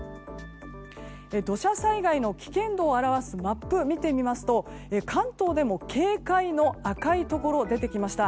土砂災害の危険度を表すマップを見てみますと関東でも警戒の赤いところが出てきました。